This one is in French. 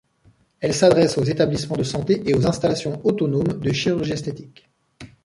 Elle s'adresse aux établissements de santé et aux installations autonomes de chirurgie esthétique.